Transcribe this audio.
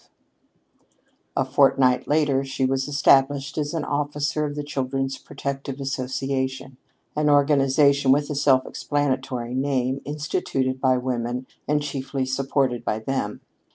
V A fortnight later she was established as an officer of the Children's Protective Association, an organization with a self explanatory name, instituted by women, and chiefly supported by them.